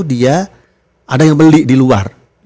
dia ada yang beli di luar